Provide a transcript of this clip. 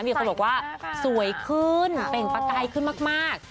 มีคนบอกว่าสวยขึ้นเปล่งประกายขึ้นมาก